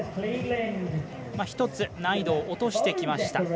１つ難易度を落としてきました